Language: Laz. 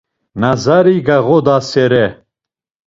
Nazari gağodasere.